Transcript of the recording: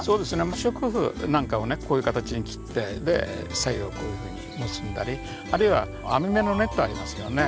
不織布なんかをねこういう形に切ってで左右をこういうふうに結んだりあるいは網目のネットありますよね？